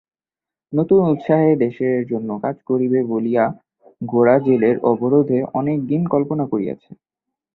নূতন উৎসাহে দেশের জন্য কাজ করিবে বলিয়া গোরা জেলের অবরোধে অনেক দিন কল্পনা করিয়াছে।